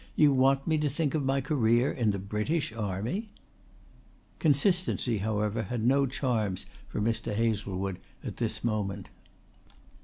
You want me to think of my career in the British Army?" Consistency however had no charms for Mr. Hazlewood at this moment.